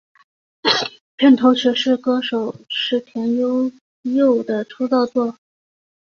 片头曲是歌手矢田悠佑的出道作。